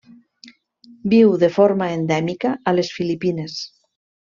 Viu de forma endèmica a les Filipines.